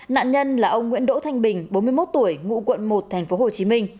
nạn nhân là ông nguyễn đỗ thanh bình bốn mươi một tuổi ngụ quận một tp hcm